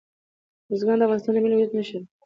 بزګان د افغانستان د ملي هویت نښه ده.